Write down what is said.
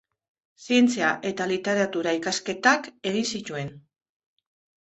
Zientzia- eta literatura-ikasketak egin zituen.